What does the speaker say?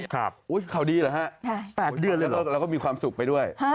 ข่าวดีหรอแล้วก็มีความสุขไปด้วย